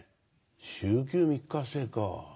週休３日制か。